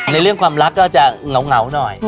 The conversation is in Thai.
เรื่องความรักก็จะเหงาหน่อย